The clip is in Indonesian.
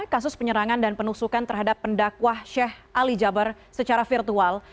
kasus penyerangan dan penusukan terhadap pendakwah sheikh ali jabar secara virtual